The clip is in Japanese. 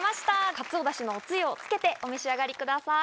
かつおダシのおつゆをつけてお召し上がりください。